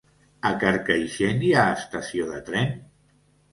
A Carcaixent hi ha estació de tren?